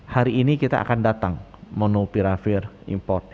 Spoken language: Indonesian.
hari ini kita akan datang monopiravir import